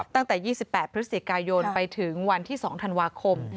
ตั้งแต่๒๘พฤศจิกายนไปถึงวันที่๒ธันวาคม